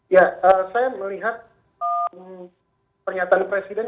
ya saya melihat pernyataan presiden